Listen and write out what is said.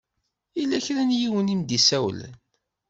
Yella kra n yiwen i m-d-isawlen.